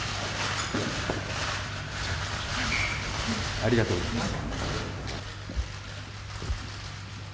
ありがとうございます。